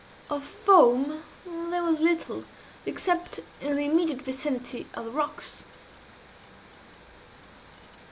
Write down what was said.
Of foam there was little except in the immediate vicinity of the rocks.